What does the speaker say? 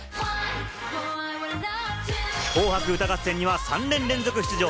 『紅白歌合戦』には３年連続出場。